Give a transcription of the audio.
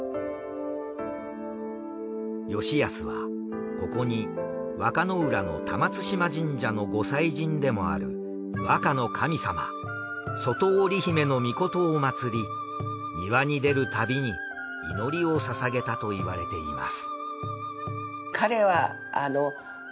吉保はここに和歌の浦の玉津島神社の御祭神でもある和歌の神様衣通姫尊を祀り庭に出るたびに祈りを捧げたといわれています。